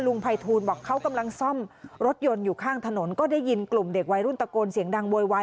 ภัยทูลบอกเขากำลังซ่อมรถยนต์อยู่ข้างถนนก็ได้ยินกลุ่มเด็กวัยรุ่นตะโกนเสียงดังโวยวาย